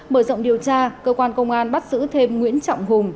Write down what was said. mở rộng điều tra cơ quan công an bắt giữ thêm nguyễn trọng hùng